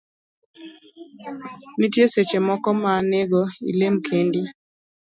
Nitie seche moko ma nego ilem kendi